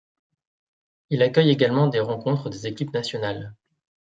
Il accueille également des rencontres des équipes nationales.